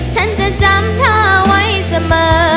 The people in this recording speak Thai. ฉันจะจำเธอไว้เสมอ